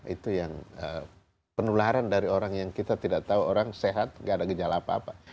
itu yang penularan dari orang yang kita tidak tahu orang sehat tidak ada gejala apa apa